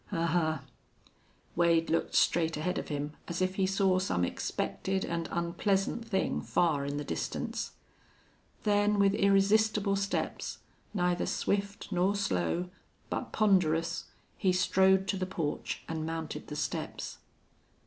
"Ahuh!" Wade looked straight ahead of him as if he saw some expected and unpleasant thing far in the distance. Then with irresistible steps, neither swift nor slow, but ponderous, he strode to the porch and mounted the steps.